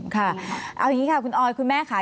ค่ะเอาอย่างนี้ค่ะคุณออยคุณแม่ค่ะ